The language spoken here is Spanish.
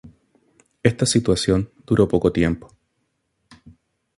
Esta situación duró poco tiempo.